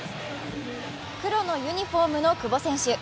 黒のユニフォームの久保選手。